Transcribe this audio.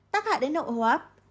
tác hại đến nội hồ hấp